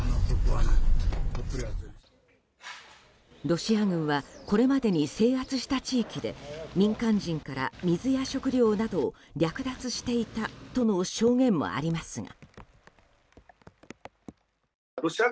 ロシア軍はこれまでに制圧した地域で民間人から水や食料などを略奪していたとの証言もありますが。